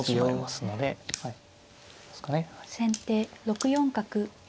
先手６四角。